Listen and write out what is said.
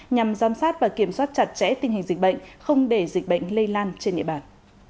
nhằm giám sát và kiểm soát chặt chẽ tình hình dịch bệnh không để dịch bệnh lây lan trên địa bàn